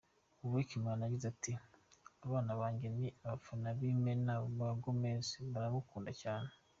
Beckham yagize ati: “Abana banjye ni abafana b’imena ba Gomez, baramukunda cyane.